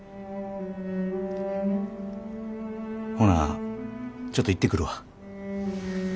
ほなちょっと行ってくるわ。